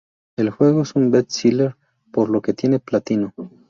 El juego es un best-seller, por lo que tiene platino.